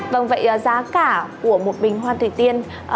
vâng vậy giá cả của một bình hoan thủy tiên